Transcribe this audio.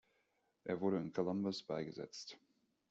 Er wurde in Columbus beigesetzt.